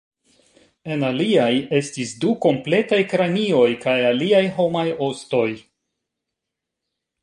En aliaj estis du kompletaj kranioj kaj aliaj homaj ostoj.